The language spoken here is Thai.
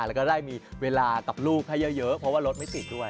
แล้วก็ได้มีเวลากับลูกให้เยอะเพราะว่ารถไม่ติดด้วย